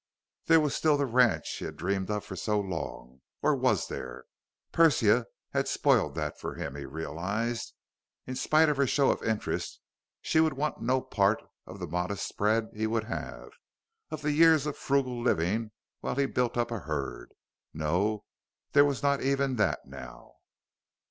_ There was still the ranch he had dreamed of for so long or was there? Persia had spoiled that for him, he realized. In spite of her show of interest, she would want no part of the modest spread he would have, of the years of frugal living while he built up a herd. No, there was not even that now.